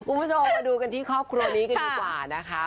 คุณผู้ชมมาดูกันที่ครอบครัวนี้กันดีกว่านะคะ